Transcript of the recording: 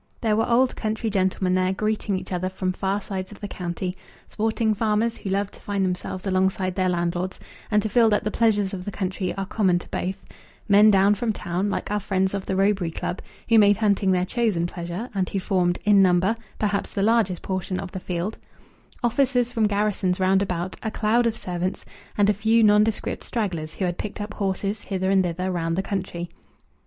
There were old country gentlemen there, greeting each other from far sides of the county; sporting farmers who love to find themselves alongside their landlords, and to feel that the pleasures of the country are common to both; men down from town, like our friends of the Roebury club, who made hunting their chosen pleasure, and who formed, in number, perhaps the largest portion of the field; officers from garrisons round about; a cloud of servants, and a few nondescript stragglers who had picked up horses, hither and thither, round the country.